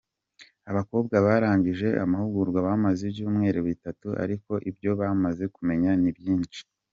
Abakobwa barangije amahugurwa bamaze ibyumweru bitatu ariko ibyo bamaze kumenya ni byinshi.